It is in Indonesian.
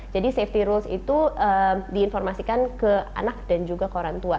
jadi safety rules itu diinformasikan ke anak dan juga ke orang tua